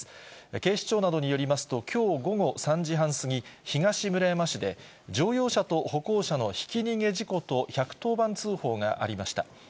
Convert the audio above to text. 警視庁などによりますと、きょう午後３時半過ぎ、東村山市で乗用車と歩行者のひき逃げ事故と、１１０番通報がありました。